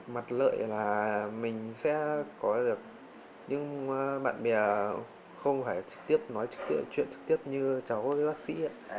mặt lợi là mình sẽ có được những bạn bè không phải nói chuyện trực tiếp như cháu với bác sĩ